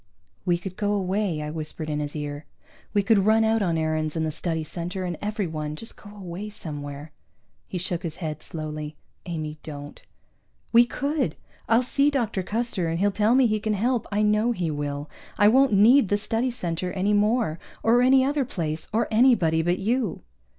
"We could go away," I whispered in his ear. "We could run out on Aarons and the Study Center and everyone, just go away somewhere." He shook his head slowly. "Amy, don't." "We could! I'll see Dr. Custer, and he'll tell me he can help, I know he will. I won't need the Study Center any more, or any other place, or anybody but you."